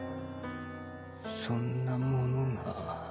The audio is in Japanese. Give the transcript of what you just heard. そんなものが。